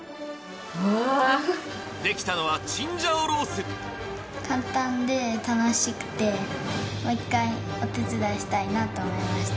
うわあっできたのはチンジャオロース簡単で楽しくてもう一回お手伝いしたいなと思いました